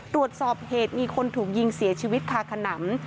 ตรวจสอบเหตุมีคนถูกยิงเสียชีวิตคาขนำ